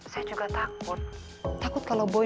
saya juga takut takut kalau boy